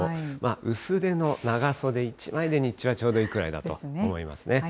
薄手の長袖１枚で日中はちょうどいいくらいだと思いますね。